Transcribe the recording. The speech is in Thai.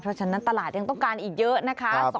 เพราะฉะนั้นตลาดยังต้องการอีกเยอะนะคะ